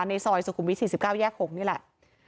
ในซอยสุขุมวิท๔๙แยก๖นี่แหละ